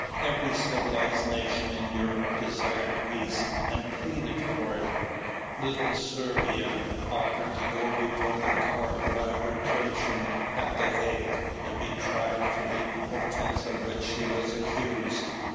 Every civilized nation in Europe desired peace and pleaded for it. Little Servia offered to go before the Court of Arbitration at The Hague and be tried for the offense of which she was accused.